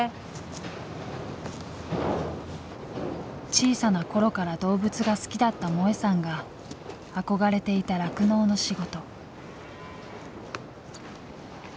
小さな頃から動物が好きだった萌さんが憧れていた酪農の仕事。